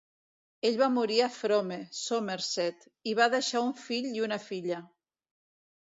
Ell va morir a Frome, Somerset, i va deixar un fill i una filla.